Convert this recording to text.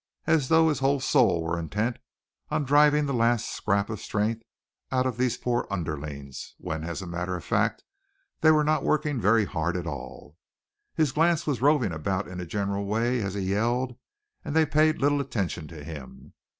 as though his whole soul were intent on driving the last scrap of strength out of these poor underlings, when as a matter of fact they were not working very hard at all. His glance was roving about in a general way as he yelled and they paid little attention to him.